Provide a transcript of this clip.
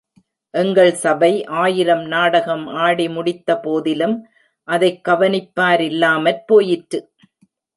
எங்கள் சபை ஆயிரம் நாடகம் ஆடி முடித்தபோதிலும் அதைக் கவனிப்பாரில்லாமற் போயிற்று!